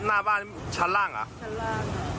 หน้าบ้านชั้นล่างเหรอ